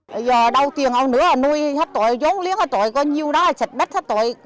bây giờ đâu tiền ông nữa nuôi hết tội vốn liếng hết tội có nhiều đó xịt bích hết tội